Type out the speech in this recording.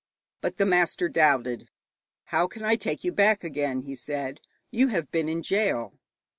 But the master doubted. 'How can I take you back again?' he said. 'You have been in gaol.'